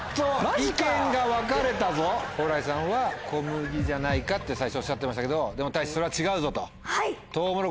蓬莱さんは「小麦じゃないか」って最初おっしゃってましたけどでもたいしそれは違うぞと。